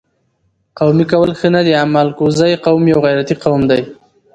قومي کول ښه نه دي اما الکوزی قوم یو غیرتي قوم دي